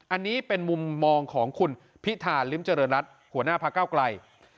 อันนี้เป็นมุมมองของคุณพิธาริมเจริญรัฐหัวหน้าพระเก้าไกล